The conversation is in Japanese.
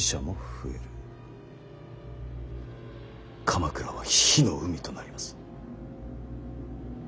鎌倉は火の海となります。